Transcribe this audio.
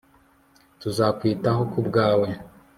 tuzakwitaho kubwawe